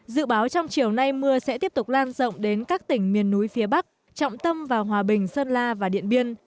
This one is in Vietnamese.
dự báo trong chiều nay mưa sẽ tiếp tục lan rộng đến các tỉnh miền núi phía bắc trọng tâm vào hòa bình sơn la và điện biên